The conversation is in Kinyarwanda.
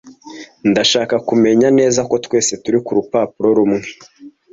Ndashaka kumenya neza ko twese turi kurupapuro rumwe.